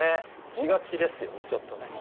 しがちですよねちょっとね。